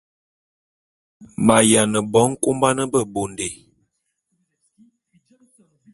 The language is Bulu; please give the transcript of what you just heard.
Ma’yiane bo nkoban bebondé.